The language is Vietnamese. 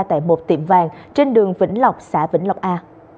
tại một tiệm vàng trên đường vĩnh lộc xã vĩnh lộc a